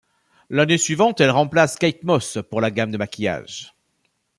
L'année suivante, elle remplace Kate Moss pour la gamme de maquillage.